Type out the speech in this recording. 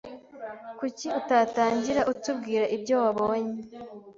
Kuki utatangira utubwira ibyo wabonye?